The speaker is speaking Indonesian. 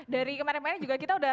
dari kemarin kemarin juga kita sudah